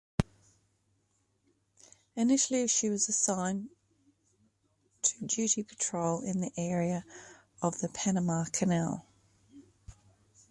Initially, she was assigned to patrol duty in the area of the Panama Canal.